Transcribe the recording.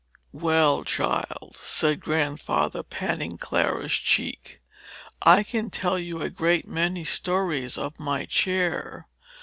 "Well, child," said Grandfather, patting Clara's cheek, "I can tell you a great many stories of my chair.